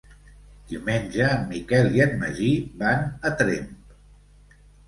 Diumenge en Miquel i en Magí van a Tremp.